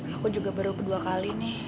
aku juga baru kedua kali nih